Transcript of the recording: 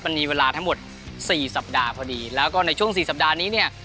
มันมีเวลาทั้งหมดสี่สัปดาห์พอดีแล้วก็ในช่วงสี่สัปดาห์นี้เนี่ย